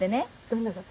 どんな事？